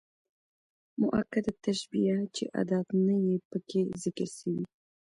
مؤکده تشبيه، چي ادات نه يي پکښي ذکر سوي.